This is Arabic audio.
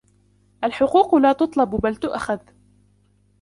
الحقوق لا تُطلب بل تؤخذ.